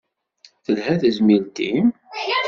Telha tezmilt-im?